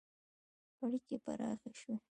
• اړیکې پراخې شوې.